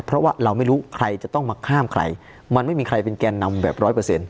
เพราะว่าเราไม่รู้ใครจะต้องมาข้ามใครมันไม่มีใครเป็นแกนนำแบบร้อยเปอร์เซ็นต